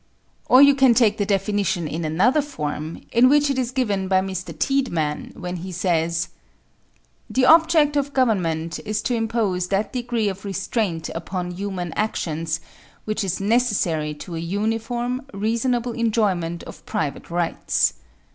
Or you can take the definition in another form, in which it is given by Mr. Tiedeman, when he says: The object of government is to impose that degree of restraint upon human actions which is necessary to a uniform, reasonable enjoyment of private rights.